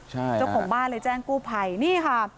เจ้าของบ้านเลยแจ้งกู้ภัยนี่ค่ะ